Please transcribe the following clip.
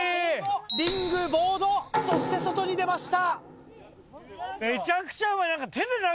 リングボードそして外に出ました！